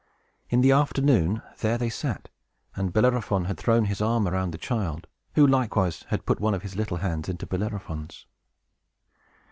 In the afternoon, there they sat, and Bellerophon had thrown his arm around the child, who likewise had put one of his little hands into Bellerophon's.